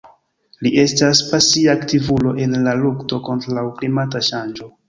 Li estas pasia aktivulo en la lukto kontraŭ la klimata ŝanĝo.